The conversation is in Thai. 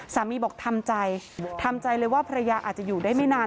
สามีบอกทำใจทำใจเลยว่าภรรยาอาจจะอยู่ได้ไม่นาน